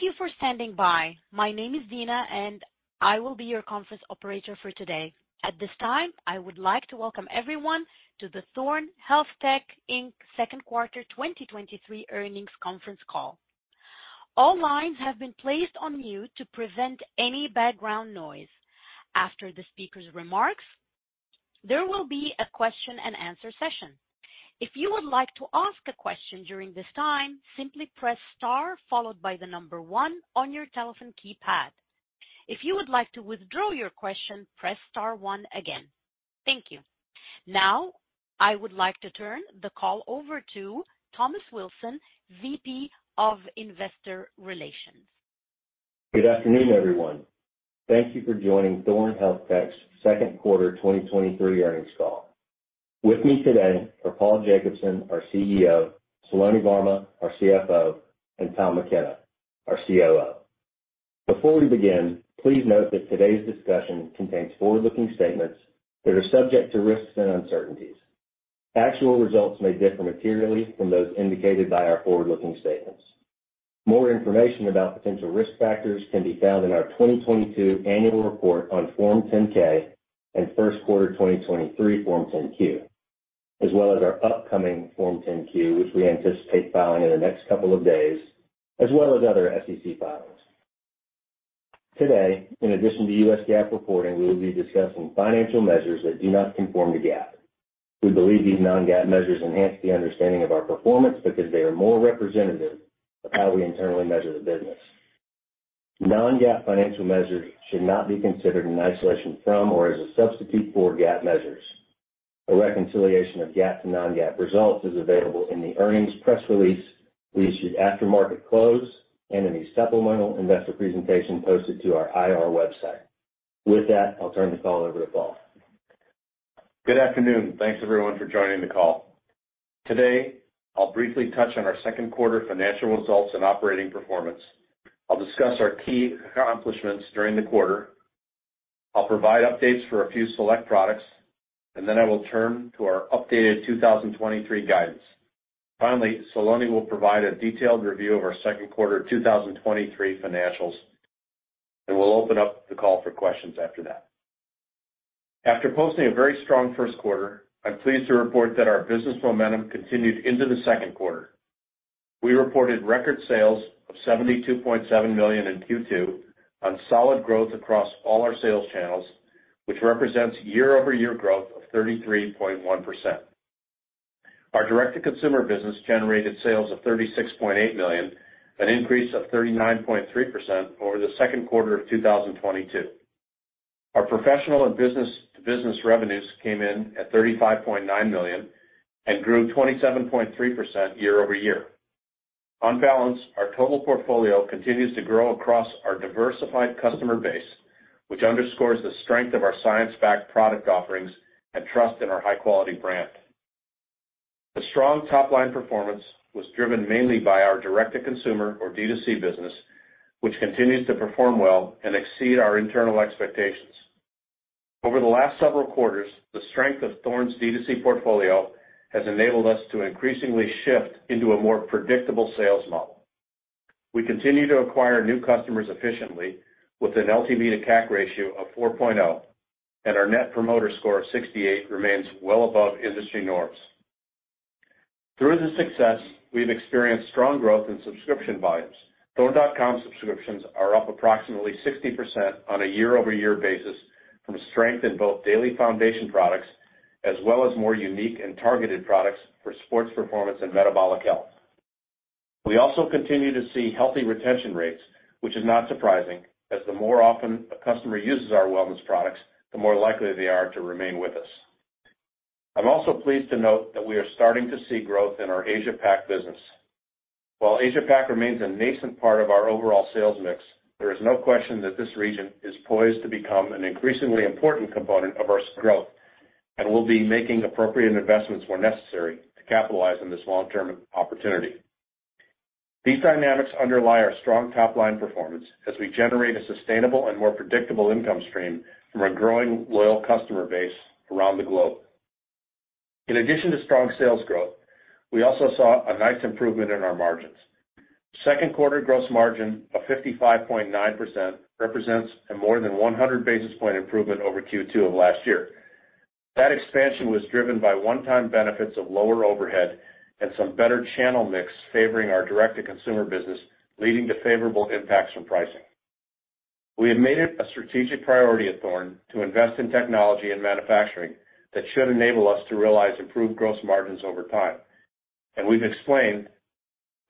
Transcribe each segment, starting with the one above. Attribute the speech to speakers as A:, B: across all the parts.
A: Thank you for standing by. My name is Dina, and I will be your conference operator for today. At this time, I would like to welcome everyone to the Thorne HealthTech Inc. second quarter 2023 earnings conference call. All lines have been placed on mute to prevent any background noise. After the speaker's remarks, there will be a question-and-answer session. If you would like to ask a question during this time, simply press star followed by the number one on your telephone keypad. If you would like to withdraw your question, press star one again. Thank you. Now, I would like to turn the call over to Thomas Wilson, VP of Investor Relations.
B: Good afternoon, everyone. Thank you for joining Thorne HealthTech's second quarter 2023 earnings call. With me today are Paul Jacobson, our CEO, Saloni Varma, our CFO, and Tom McKenna, our COO. Before we begin, please note that today's discussion contains forward-looking statements that are subject to risks and uncertainties. Actual results may differ materially from those indicated by our forward-looking statements. More information about potential risk factors can be found in our 2022 annual report on Form 10-K and first quarter 2023 Form 10-Q, as well as our upcoming Form 10-Q, which we anticipate filing in the next couple of days, as well as other SEC filings. Today, in addition to US GAAP reporting, we will be discussing financial measures that do not conform to GAAP. We believe these non-GAAP measures enhance the understanding of our performance because they are more representative of how we internally measure the business. Non-GAAP financial measures should not be considered in isolation from or as a substitute for GAAP measures. A reconciliation of GAAP to non-GAAP results is available in the earnings press release we issued after market close and in a supplemental investor presentation posted to our IR website. With that, I'll turn the call over to Paul.
C: Good afternoon. Thanks everyone for joining the call. Today, I'll briefly touch on our second quarter financial results and operating performance. I'll discuss our key accomplishments during the quarter. I'll provide updates for a few select products, and then I will turn to our updated 2023 guidance. Finally, Saloni will provide a detailed review of our second quarter 2023 financials, and we'll open up the call for questions after that. After posting a very strong first quarter, I'm pleased to report that our business momentum continued into the second quarter. We reported record sales of $72.7 million in Q2 on solid growth across all our sales channels, which represents year-over-year growth of 33.1%. Our direct-to-consumer business generated sales of $36.8 million, an increase of 39.3% over the second quarter of 2022. Our professional and business-to-business revenues came in at $35.9 million and grew 27.3% year-over-year. On balance, our total portfolio continues to grow across our diversified customer base, which underscores the strength of our science-backed product offerings and trust in our high-quality brand. The strong top-line performance was driven mainly by our direct-to-consumer or D2C business, which continues to perform well and exceed our internal expectations. Over the last several quarters, the strength of Thorne's D2C portfolio has enabled us to increasingly shift into a more predictable sales model. We continue to acquire new customers efficiently with an LTV to CAC ratio of 4.0, and our Net Promoter Score of 68 remains well above industry norms. Through the success, we've experienced strong growth in subscription volumes. Thorne.com subscriptions are up approximately 60% on a year-over-year basis from strength in both daily foundation products, as well as more unique and targeted products for sports performance and metabolic health. We also continue to see healthy retention rates, which is not surprising, as the more often a customer uses our wellness products, the more likely they are to remain with us. I'm also pleased to note that we are starting to see growth in our Asia-Pac business. While Asia-Pac remains a nascent part of our overall sales mix, there is no question that this region is poised to become an increasingly important component of our growth, and we'll be making appropriate investments where necessary to capitalize on this long-term opportunity. These dynamics underlie our strong top-line performance as we generate a sustainable and more predictable income stream from a growing, loyal customer base around the globe. In addition to strong sales growth, we also saw a nice improvement in our margins. Second quarter gross margin of 55.9% represents a more than 100 basis point improvement over Q2 of last year. That expansion was driven by one-time benefits of lower overhead and some better channel mix favoring our direct-to-consumer business, leading to favorable impacts from pricing. We have made it a strategic priority at Thorne to invest in technology and manufacturing that should enable us to realize improved gross margins over time. We've explained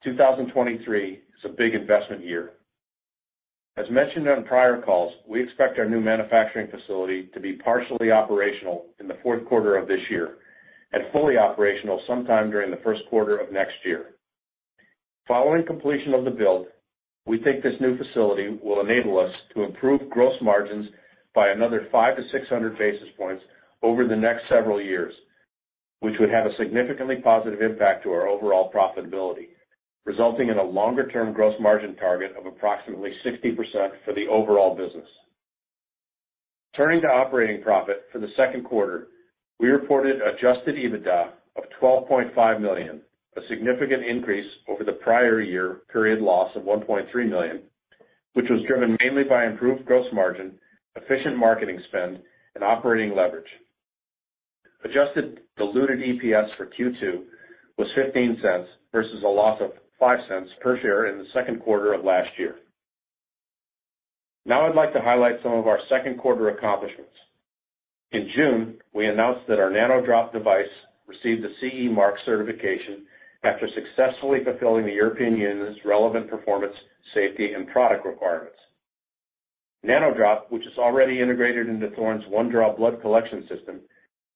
C: 2023 is a big investment year. As mentioned on prior calls, we expect our new manufacturing facility to be partially operational in the fourth quarter of this year and fully operational sometime during the first quarter of next year. Following completion of the build, we think this new facility will enable us to improve gross margins by another 500-600 basis points over the next several years, which would have a significantly positive impact to our overall profitability, resulting in a longer-term gross margin target of approximately 60% for the overall business. Turning to operating profit for the second quarter, we reported Adjusted EBITDA of $12.5 million, a significant increase over the prior year period loss of $1.3 million, which was driven mainly by improved gross margin, efficient marketing spend, and operating leverage. adjusted diluted EPS for Q2 was $0.15 versus a loss of $0.05 per share in the second quarter of last year. Now I'd like to highlight some of our second quarter accomplishments. In June, we announced that our NanoDrop device received the CE Mark certification after successfully fulfilling the European Union's relevant performance, safety, and product requirements. NanoDrop, which is already integrated into Thorne's OneDraw blood collection system,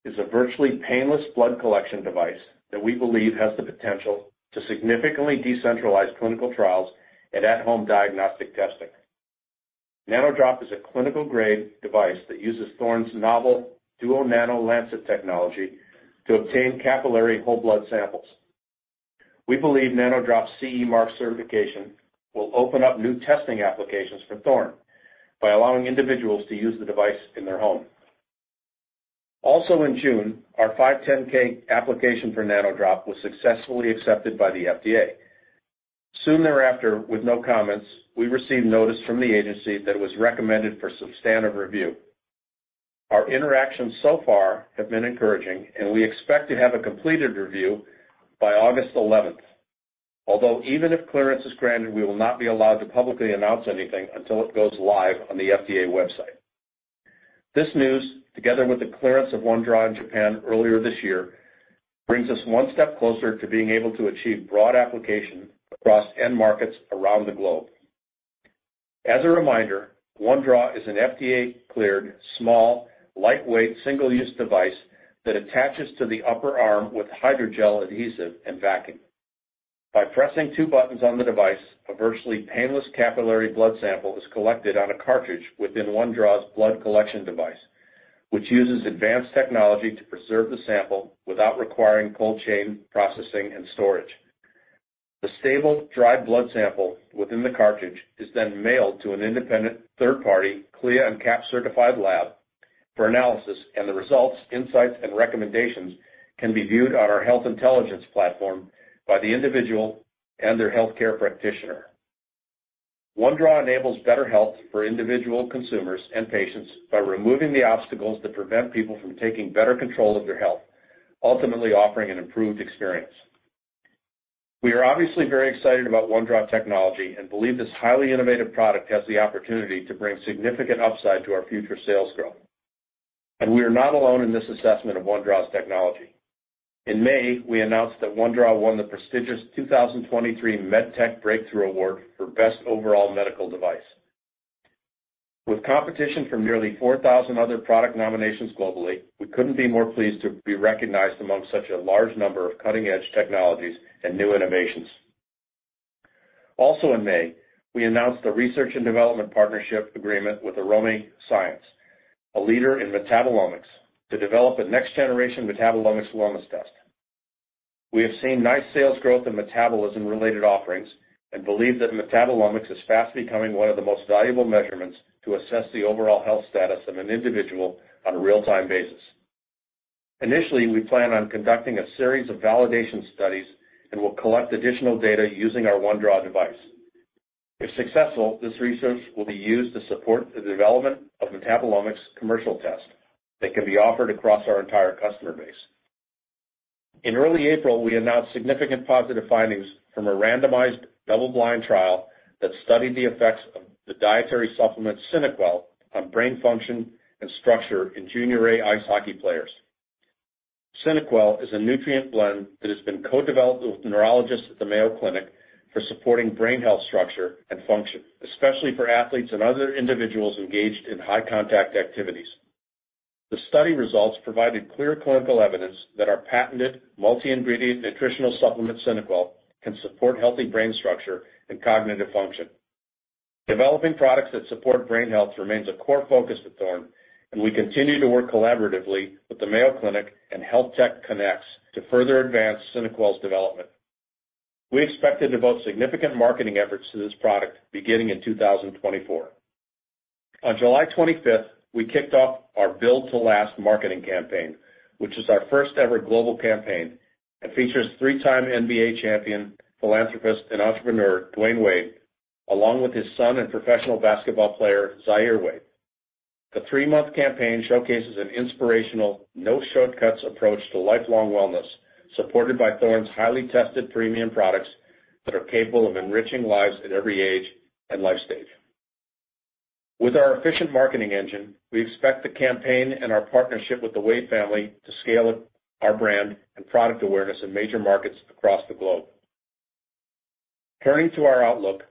C: is a virtually painless blood collection device that we believe has the potential to significantly decentralize clinical trials and at-home diagnostic testing. NanoDrop is a clinical-grade device that uses Thorne's novel dual nano lancet technology to obtain capillary whole blood samples. We believe NanoDrop's CE Mark certification will open up new testing applications for Thorne by allowing individuals to use the device in their home. Also in June, our 510(k) application for NanoDrop was successfully accepted by the FDA. Soon thereafter, with no comments, we received notice from the agency that it was recommended for substantive review. Our interactions so far have been encouraging, and we expect to have a completed review by August 11th. Although even if clearance is granted, we will not be allowed to publicly announce anything until it goes live on the FDA website. This news, together with the clearance of OneDraw in Japan earlier this year, brings us one step closer to being able to achieve broad application across end markets around the globe. As a reminder, OneDraw is an FDA-cleared, small, lightweight, single-use device that attaches to the upper arm with hydrogel adhesive and vacuum. By pressing two buttons on the device, a virtually painless capillary blood sample is collected on a cartridge within OneDraw's blood collection device, which uses advanced technology to preserve the sample without requiring cold chain processing and storage. The stable, dry blood sample within the cartridge is then mailed to an independent third party, CLIA and CAP-certified lab, for analysis, and the results, insights, and recommendations can be viewed on our health intelligence platform by the individual and their healthcare practitioner. OneDraw enables better health for individual consumers and patients by removing the obstacles that prevent people from taking better control of their health, ultimately offering an improved experience. We are obviously very excited about OneDraw technology and believe this highly innovative product has the opportunity to bring significant upside to our future sales growth. We are not alone in this assessment of OneDraw's technology. In May, we announced that OneDraw won the prestigious 2023 MedTech Breakthrough Award for Best Overall Medical Device. With competition from nearly 4,000 other product nominations globally, we couldn't be more pleased to be recognized among such a large number of cutting-edge technologies and new innovations. Also in May, we announced a research and development partnership agreement with Arome Science, a leader in metabolomics, to develop a next-generation metabolomics wellness test. We have seen nice sales growth in metabolism-related offerings and believe that metabolomics is fast becoming one of the most valuable measurements to assess the overall health status of an individual on a real-time basis. Initially, we plan on conducting a series of validation studies and will collect additional data using our OneDraw device. If successful, this research will be used to support the development of metabolomics commercial test that can be offered across our entire customer base. In early April, we announced significant positive findings from a randomized double-blind trial that studied the effects of the dietary supplement SynaQuell on brain function and structure in Junior A ice hockey players. SynaQuell is a nutrient blend that has been co-developed with neurologists at the Mayo Clinic for supporting brain health structure and function, especially for athletes and other individuals engaged in high-contact activities. The study results provided clear clinical evidence that our patented multi-ingredient nutritional supplement, SynaQuell, can support healthy brain structure and cognitive function. Developing products that support brain health remains a core focus at Thorne, and we continue to work collaboratively with the Mayo Clinic and HealthTech Connex to further advance SynaQuell's development. We expect to devote significant marketing efforts to this product beginning in 2024. On July 25th, we kicked off our Build to Last marketing campaign, which is our first-ever global campaign and features three-time NBA champion, philanthropist, and entrepreneur, Dwyane Wade, along with his son and professional basketball player, Zaire Wade. The three-month campaign showcases an inspirational, no-shortcuts approach to lifelong wellness, supported by Thorne's highly tested premium products that are capable of enriching lives at every age and life stage. With our efficient marketing engine, we expect the campaign and our partnership with the Wade family to scale up our brand and product awareness in major markets across the globe. Turning to our outlook,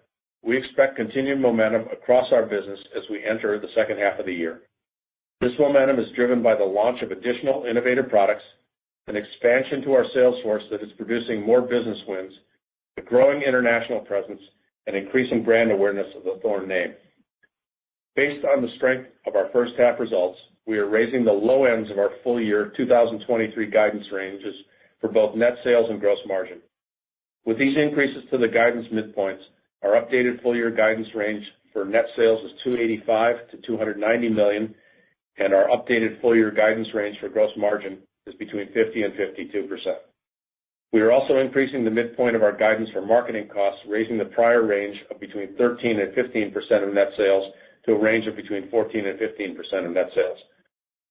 C: we expect continued momentum across our business as we enter the second half of the year. This momentum is driven by the launch of additional innovative products, an expansion to our sales force that is producing more business wins, a growing international presence, and increasing brand awareness of Thorne. Based on the strength of our first half results, we are raising the low ends of our full year 2023 guidance ranges for both net sales and gross margin. With these increases to the guidance midpoints, our updated full-year guidance range for net sales is $285 million-$290 million, and our updated full-year guidance range for gross margin is between 50%-52%. We are also increasing the midpoint of our guidance for marketing costs, raising the prior range of between 13%-15% of net sales to a range of between 14%-15% of net sales.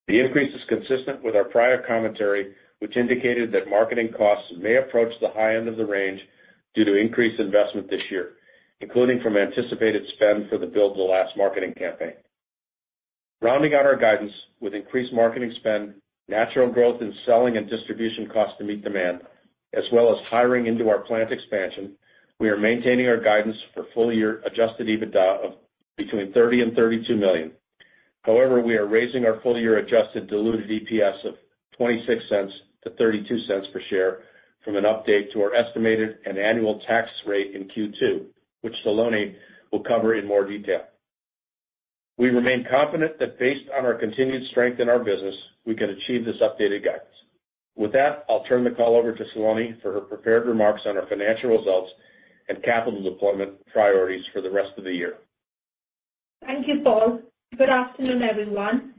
C: The increase is consistent with our prior commentary, which indicated that marketing costs may approach the high end of the range due to increased investment this year, including from anticipated spend for the Build to Last marketing campaign. Rounding out our guidance with increased marketing spend, natural growth in selling and distribution costs to meet demand, as well as hiring into our plant expansion, we are maintaining our guidance for full-year Adjusted EBITDA of between $30 million and $32 million. However, we are raising our full-year adjusted diluted EPS of $0.26-$0.32 per share from an update to our estimated and annual tax rate in Q2, which Saloni will cover in more detail. We remain confident that based on our continued strength in our business, we can achieve this updated guidance. With that, I'll turn the call over to Saloni for her prepared remarks on our financial results and capital deployment priorities for the rest of the year.
D: Thank you, Paul. Good afternoon, everyone.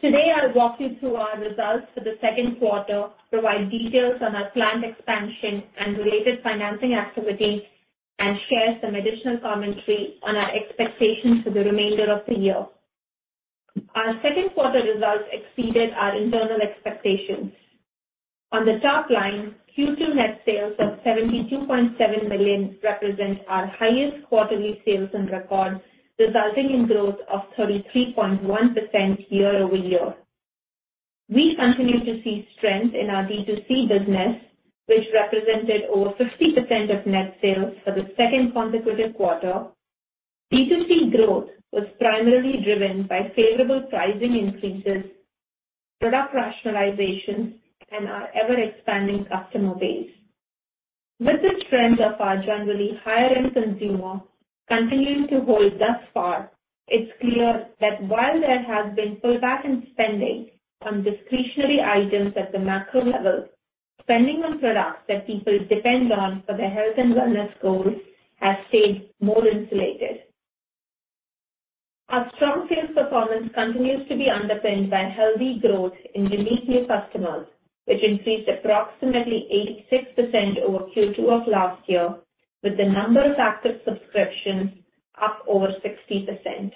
D: Today, I'll walk you through our results for the second quarter, provide details on our planned expansion and related financing activities, and share some additional commentary on our expectations for the remainder of the year. Our second quarter results exceeded our internal expectations. On the top line, Q2 net sales of $72.7 million represent our highest quarterly sales on record, resulting in growth of 33.1% year-over-year. We continue to see strength in our B2C business, which represented over 50% of net sales for the second consecutive quarter. B2C growth was primarily driven by favorable pricing increases, product rationalization, and our ever-expanding customer base. With the strength of our generally higher-end consumer continuing to hold thus far, it's clear that while there has been pullback in spending on discretionary items at the macro level, spending on products that people depend on for their health and wellness goals has stayed more insulated. Our strong sales performance continues to be underpinned by healthy growth in unique new customers, which increased approximately 86% over Q2 of last year, with the number of active subscriptions up over 60%.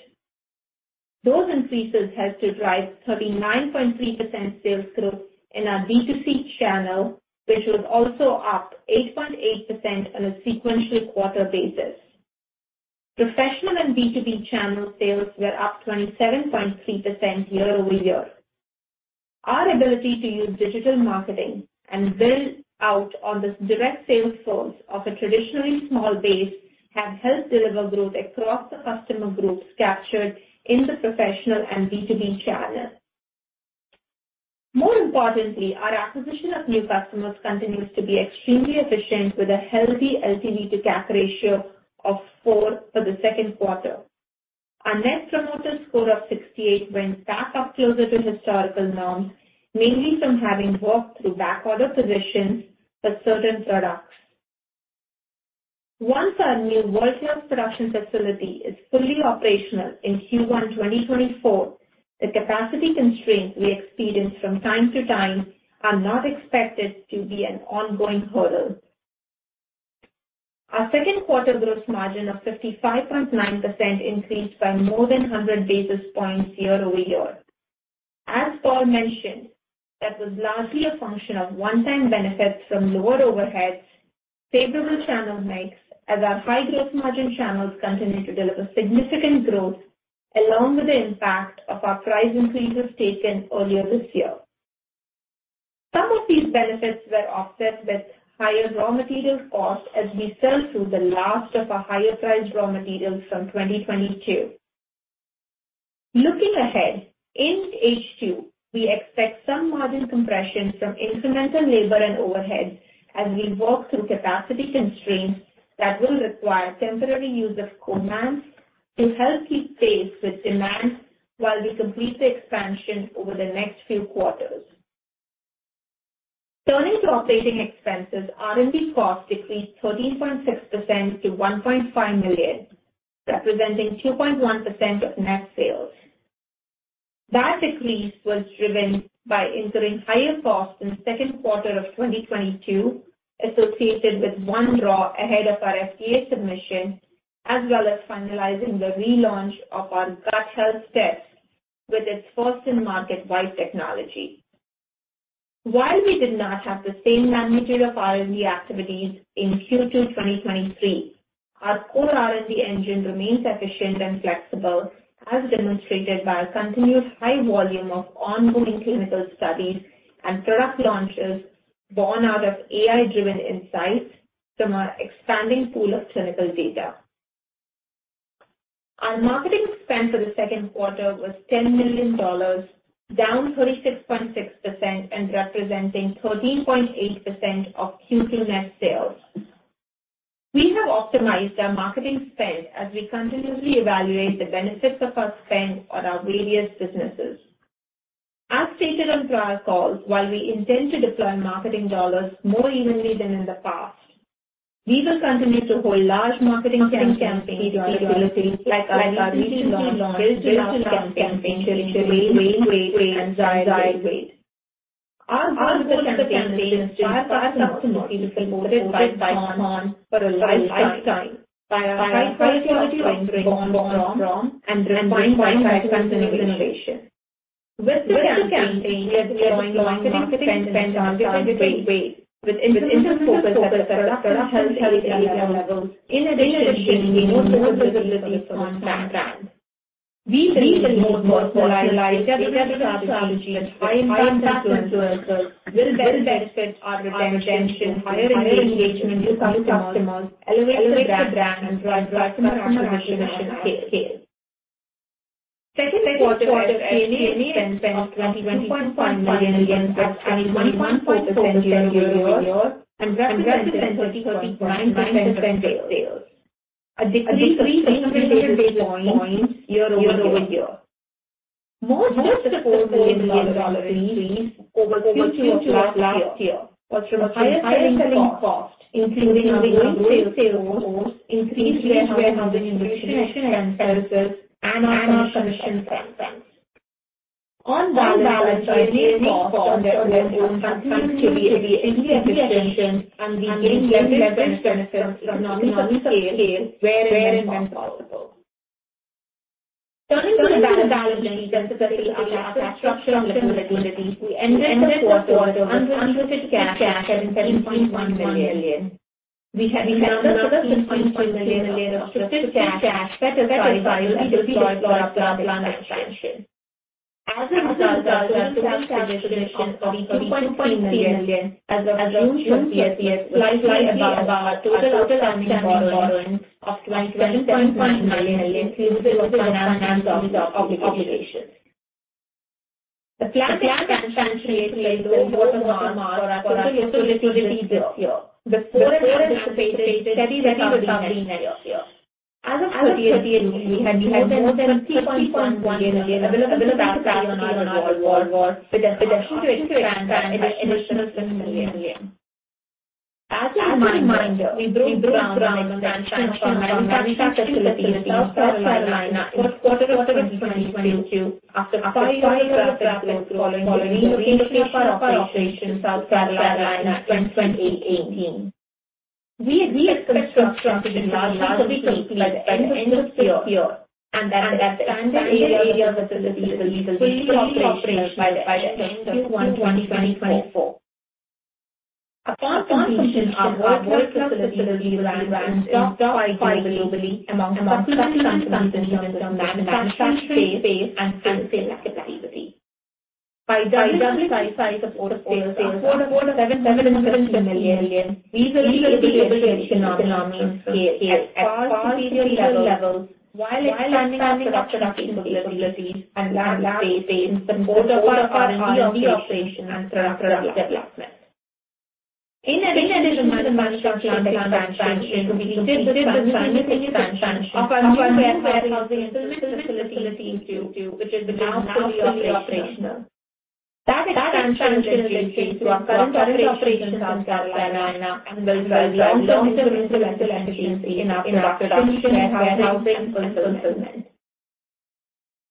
D: Those increases helped to drive 39.3% sales growth in our B2C channel, which was also up 8.8% on a sequential quarter basis. Professional and B2B channel sales were up 27.3% year-over-year. Our ability to use digital marketing and build out on the direct sales force of a traditionally small base has helped deliver growth across the customer groups captured in the professional and B2B channel. More importantly, our acquisition of new customers continues to be extremely efficient, with a healthy LTV to CAC ratio of four for the second quarter. Our Net Promoter Score of 68 went back up closer to historical norms, mainly from having worked through backorder positions for certain products. Once our new world-class production facility is fully operational in Q1 2024, the capacity constraints we experience from time to time are not expected to be an ongoing hurdle. Our second quarter gross margin of 55.9% increased by more than 100 basis points year-over-year. As Paul mentioned, that was largely a function of one-time benefits from lower overheads, favorable channel mix, as our high growth margin channels continued to deliver significant growth along with the impact of our price increases taken earlier this year. Some of these benefits were offset with higher raw material costs as we sell through the last of our higher-priced raw materials from 2022. Looking ahead, in H2, we expect some margin compression from incremental labor and overhead as we work through capacity constraints that will require temporary use of co-manufacturing to help keep pace with demand while we complete the expansion over the next few quarters. Turning to operating expenses, R&D costs decreased 13.6% to $1.5 million, representing 2.1% of net sales. That decrease was driven by incurring higher costs in the second quarter of 2022, associated with OneDraw ahead of our FDA submission, as well as finalizing the relaunch of our Gut Health Test with its first-in-market wide technology. While we did not have the same magnitude of R&D activities in Q2 2023, our core R&D engine remains efficient and flexible, as demonstrated by our continued high volume of ongoing clinical studies and product launches born out of AI-driven insights from our expanding pool of clinical data. Our marketing spend for the second quarter was $10 million, down 36.6% and representing 13.8% of Q2 net sales. We have optimized our marketing spend as we continuously evaluate the benefits of our spend on our various businesses. As stated on prior calls, while we intend to deploy marketing dollars more evenly than in the past, we will continue to hold large marketing campaigns to visibility, like our Cardician launch, digital campaign during weigh, weigh and diet weight. Our goal of the campaign is to inspire customers to supported by Thorne for a lifetime by a high quality of offerings born from and then bring innovation. With this campaign, we are deploying marketing spend in a different way, with emphasis focus at the product and health area levels. In addition, we know more visibility from brand. We will also utilize different strategies, which high impact influencers will best fit our attention, higher engagement with customers, elevate the brand, and drive customer acquisition and scale. Second quarter SG&A expense of $22.5 million actually 21.4% year-over-year, represented 39% of sales, a decrease of three data points year-over-year. Most of the $40 million increase over two to last year was from higher selling costs, including our growing sales force, increased investment in distribution and services, and our commission expense. On balance, our main cost on their own continuity of the investment and the main benefit of economic scale where and when possible. Turning to the balance sheet, specifically our structural liquidity, we ended the quarter with unrestricted cash at $18.1 million. We had another $18.2 million of restricted cash that is tied to our product plant expansion. As a result of our total cash position of $32.3 million as of June 30th, slightly above our total outstanding borrowings of $27.9 million, inclusive of finance obligations. The plant expansion creates a little more norm for our total liquidity this year before it anticipated steadily dropping next year. As of 30, we had more than $30.1 million available to us on our revolver with a potential to expand by additional $10 million. As a reminder, we broke ground on the expansion of our manufacturing facility in South Carolina in quarter of 2022, after final traffic flow following the relocation of our operation to South Carolina in 2018. We expect construction to be largely complete by the end of this year, and that the expanded area of the facility will be fully operational by June of 2024. Upon completion, our facility will be run and stocked by globally among our customers in terms of manufacturing space and sales activity. By doubling the size of our sales force of $7 million, we will be able to economic scale at far superior levels while expanding our production facilities and land space in support of our early operation and product development. In addition to the manufacturing plant expansion, to be completed with the expansion of our warehouse housing facilities too, which is now fully operational. That expansion is key to our current operations in South Carolina and will drive long-term intellectual efficiency in our product completion, warehousing, and fulfillment.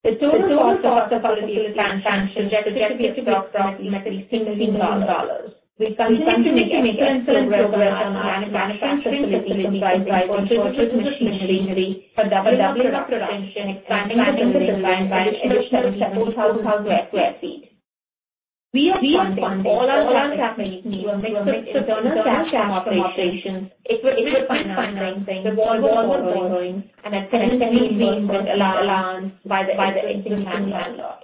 D: The total cost of our facility expansion is expected to be approximately $16 million. We continue to make progress on our manufacturing facility by driving purchase machinery for double product retention, expanding the delivery by an additional 72,000 sq ft. We are funding all our capital needs with mixed internal cash from operations, increased financing, the ongoing, and potentially being allowed by the expanded lot.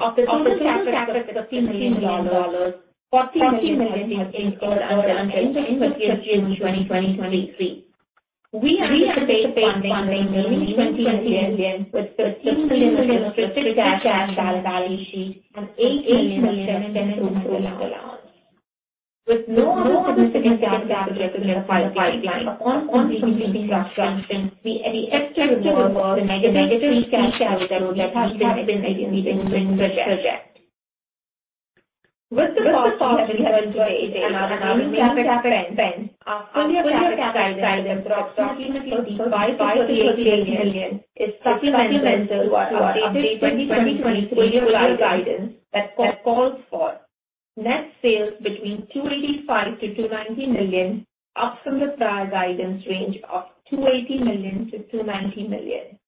D: Of the total capital of $15 million, $14 million has been incurred as of June 2023. We anticipate funding of $19 million, with $15 million of strict cash value sheet and $8 million in total allowance. With no other significant capital in the pipeline, upon completing construction, the extra work will negatively cash flow that has been included in the project. With the cost we have been today and our new capital spend, our full year capital guidance of approximately $58 million is supplemental to our updated 2023 guidance that calls for net sales between $285 million-$290 million, up from the prior guidance range of $280 million-$290 million.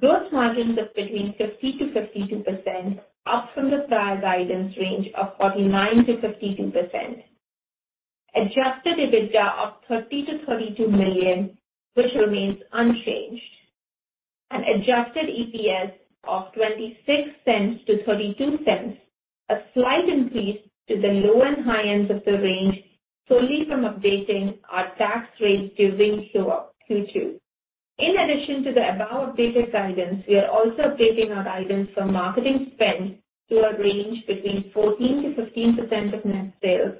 D: Gross margins of between 50%-52%, up from the prior guidance range of 49%-52%. Adjusted EBITDA of $30 million-$32 million, which remains unchanged, and adjusted EPS of $0.26-$0.32, a slight increase to the low and high ends of the range solely from updating our tax rate to ring Q2. In addition to the above updated guidance, we are also updating our guidance for marketing spend to a range between 14%-15% of net sales,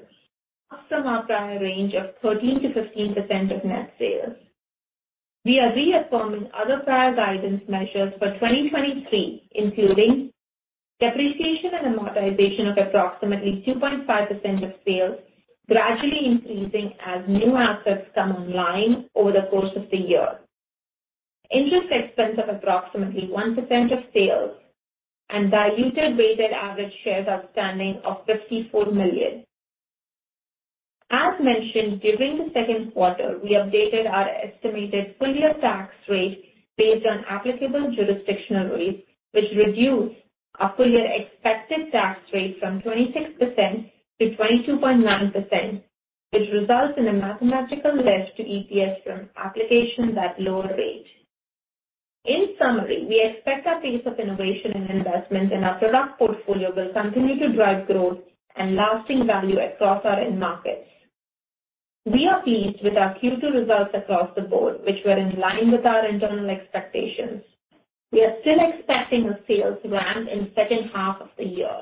D: up from our prior range of 13%-15% of net sales. We are reaffirming other prior guidance measures for 2023, including depreciation and amortization of approximately 2.5% of sales, gradually increasing as new assets come online over the course of the year. Interest expense of approximately 1% of sales and diluted weighted average shares outstanding of 54 million. As mentioned, during the second quarter, we updated our estimated full year tax rate based on applicable jurisdictional rates, which reduced our full year expected tax rate from 26% to 22.9%, which results in a mathematical lift to EPS from application that lower rate. In summary, we expect our pace of innovation and investment in our product portfolio will continue to drive growth and lasting value across our end markets. We are pleased with our Q2 results across the board, which were in line with our internal expectations. We are still expecting a sales ramp in second half of the year.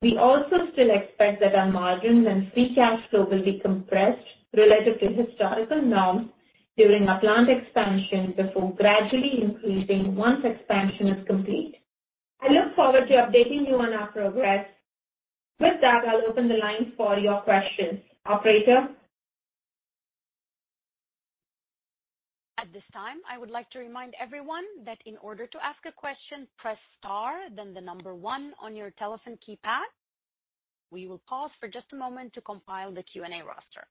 D: We also still expect that our margins and free cash flow will be compressed relative to historical norms during our plant expansion, before gradually increasing once expansion is complete. I look forward to updating you on our progress. With that, I'll open the lines for your questions. Operator?
A: At this time, I would like to remind everyone that in order to ask a question, press star, then the one on your telephone keypad. We will pause for just a moment to compile the Q&A roster.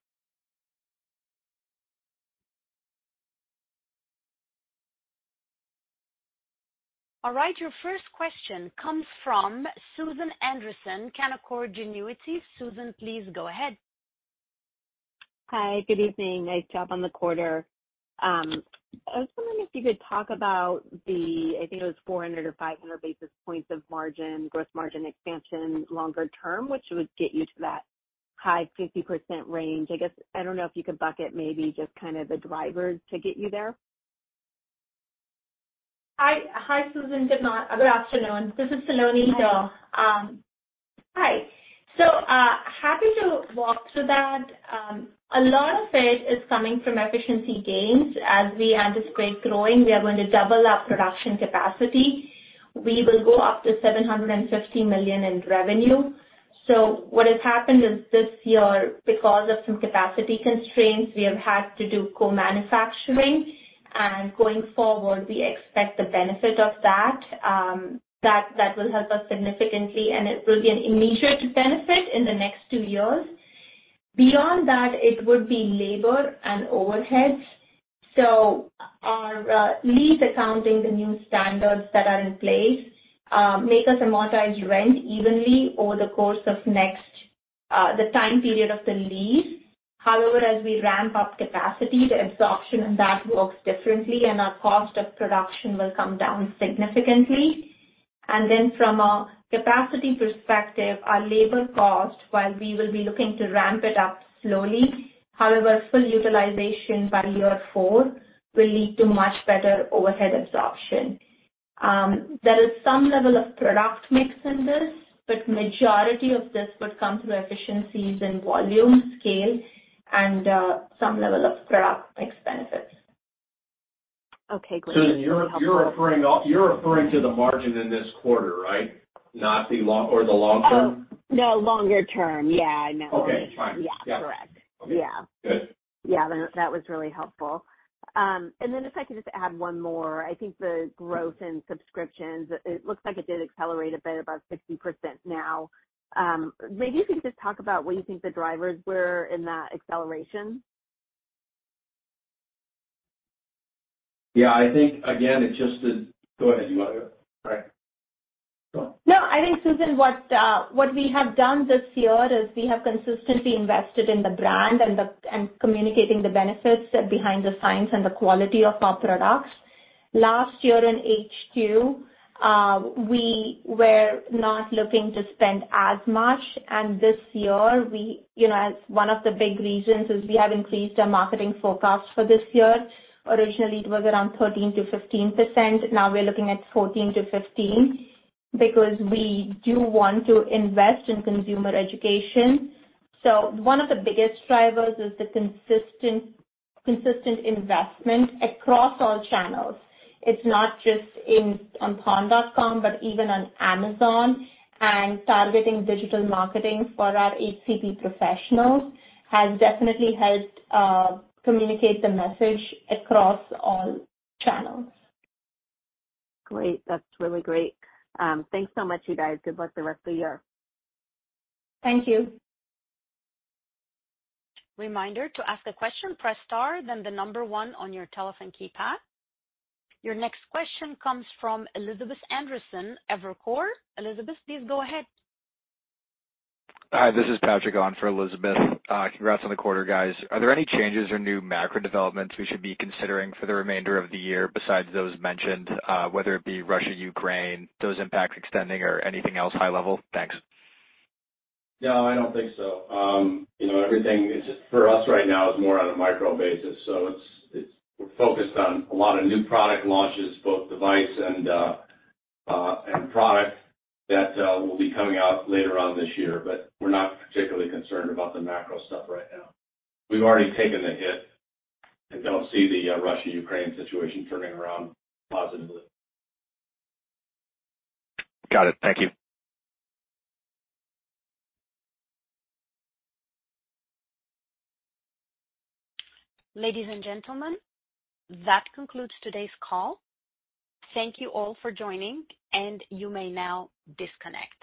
A: All right, your first question comes from Susan Anderson, Canaccord Genuity. Susan, please go ahead.
E: Hi, good evening. Nice job on the quarter. I was wondering if you could talk about the, I think it was 400 or 500 basis points of margin, gross margin expansion longer term, which would get you to that high 50% range. I guess, I don't know if you could bucket maybe just kind of the drivers to get you there?
D: Hi. Susan. Good afternoon. This is Saloni Varma. Happy to walk through that. A lot of it is coming from efficiency gains. As we anticipate growing, we are going to double our production capacity. We will go up to $750 million in revenue. What has happened is this year, because of some capacity constraints, we have had to do co-manufacturing, and going forward, we expect the benefit of that. That, that will help us significantly, and it will be an immediate benefit in the next two years. Beyond that, it would be labor and overheads. Our lease accounting, the new standards that are in place, make us amortize rent evenly over the course of next the time period of the lease. However, as we ramp up capacity, the absorption in that works differently, and our cost of production will come down significantly. From a capacity perspective, our labor cost, while we will be looking to ramp it up slowly, however, full utilization by year four will lead to much better overhead absorption. There is some level of product mix in this, but majority of this would come through efficiencies in volume, scale, and some level of product mix benefits.
E: Okay, great.
C: Susan, you're referring to the margin in this quarter, right? Not the long or the long term?
E: Oh, no, longer term. Yeah, I know.
C: Okay, fine.
E: Yeah, correct.
C: Okay.
E: Yeah.
C: Good.
E: Yeah, that, that was really helpful. If I could just add one more. I think the growth in subscriptions, it looks like it did accelerate a bit, about 60% now. Maybe you could just talk about what you think the drivers were in that acceleration?
C: Yeah, I think again, it's just the... Go ahead, you want to go? All right. Go.
D: No, I think, Susan, what, what we have done this year is we have consistently invested in the brand and the, and communicating the benefits behind the science and the quality of our products. Last year in H2, we were not looking to spend as much, and this year we, you know, as one of the big reasons is we have increased our marketing forecast for this year. Originally, it was around 13%-15%. Now we're looking at 14%-15% because we do want to invest in consumer education. One of the biggest drivers is the consistent, consistent investment across all channels. It's not just in, on Thorne.com, but even on Amazon. Targeting digital marketing for our HCP professionals has definitely helped, communicate the message across all channels.
E: Great. That's really great. Thanks so much, you guys. Good luck the rest of the year.
D: Thank you.
A: Reminder, to ask a question, press star, then the number one on your telephone keypad. Your next question comes from Elizabeth Anderson, Evercore. Elizabeth, please go ahead.
F: Hi, this is Patrick on for Elizabeth. Congrats on the quarter, guys. Are there any changes or new macro developments we should be considering for the remainder of the year besides those mentioned? Whether it be Russia, Ukraine, those impacts extending or anything else high level? Thanks.
C: No, I don't think so. You know, everything is, for us right now, is more on a micro basis. It's, it's, we're focused on a lot of new product launches, both device and, and product that will be coming out later on this year. We're not particularly concerned about the macro stuff right now. We've already taken the hit. I don't see the Russia-Ukraine situation turning around positively.
F: Got it. Thank you.
A: Ladies and gentlemen, that concludes today's call. Thank you all for joining. You may now disconnect.